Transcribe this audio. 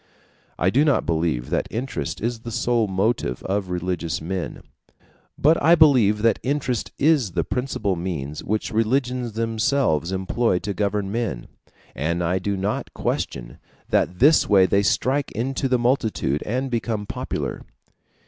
I do not believe that interest is the sole motive of religious men: but I believe that interest is the principal means which religions themselves employ to govern men, and I do not question that this way they strike into the multitude and become popular.